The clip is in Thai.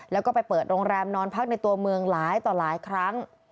แล้วก็ไปเปิดโรงแรมนอนพักในตัวเมืองหลายต่อหลายครั้ง